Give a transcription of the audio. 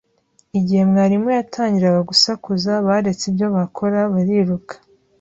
Igihe mwarimu yatangiraga gusakuza, baretse ibyo bakora bariruka.